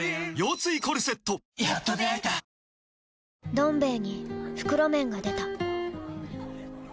「どん兵衛」に袋麺が出た